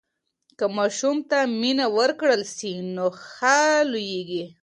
که ماشوم ته مینه ورکړل سي نو ښه لویېږي.